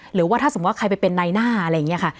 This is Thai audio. หรือว่าถ้าสมมุติว่าใครไปเป็นในหน้าอะไรอย่างนี้ค่ะ